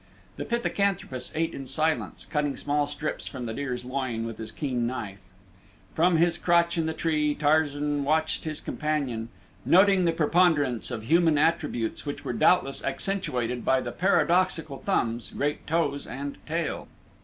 The pithecanthropus ate in silence, cutting small strips from the deer's loin with his keen knife. From his crotch in the tree Tarzan watched his companion, noting the preponderance of human attributes which were doubtless accentuated by the paradoxical thumbs, great toes, and tail.